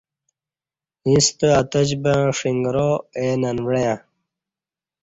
ییݩستہ اتجبں ݜݣرا اے ننوعݩہ